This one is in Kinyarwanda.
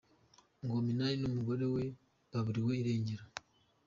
Ngo Minani n’umugore we baburiwe irengero.